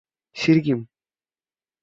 ശരിക്കും